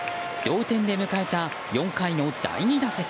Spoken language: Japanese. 同点で迎えた４回の第２打席。